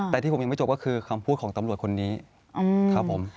แต่ที่ผมยังไม่จบก็คือคำพูดของตำรวจคนนี้ครับผม